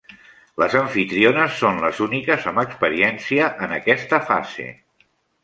Les amfitriones són les úniques amb experiència en aquesta fase.